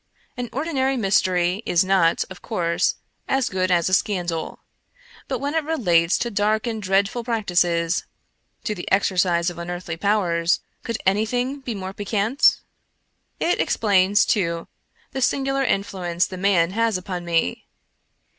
An ordi nary mystery is not, of course, as good as a scandal, but when it relates to dark and dreadful practices — to the exer cise of unearthly powers — could anything be more piquant? It explains, too, the singular influence the man has upon me.